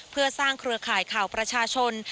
เพื่อสร้างเครือข่ายข่าวประชาชน